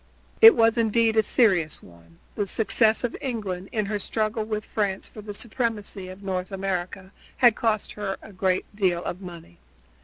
It was indeed a serious one. The success of England, in her struggle with France for the supremacy of North America had cost her a great deal of money.